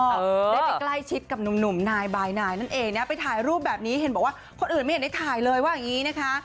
ได้ไปใกล้ชิดกับหนุ่มนายบายนายนั่นเองนะไปถ่ายรูปแบบนี้เห็นบอกว่าคนอื่นไม่เห็นได้ถ่ายเลยว่าอย่างนี้นะคะ